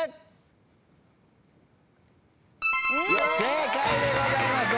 正解でございます！